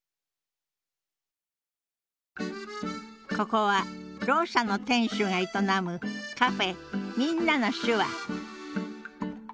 ここはろう者の店主が営むカフェ「みんなの手話」